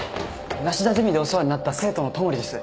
梨多ゼミでお世話になった生徒の戸守です。